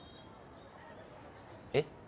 えっ？